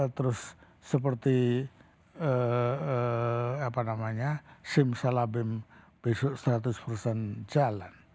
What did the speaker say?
terus seperti apa namanya simsalabim besok seratus persen jalan